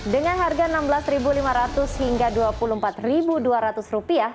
dengan harga rp enam belas lima ratus hingga rp dua puluh empat dua ratus